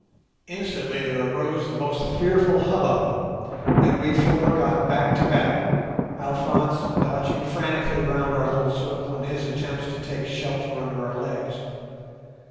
Instantly there arose the most fearful hubbub, and we four got back to back, Alphonse dodging frantically round our little circle in his attempts to take shelter under our legs.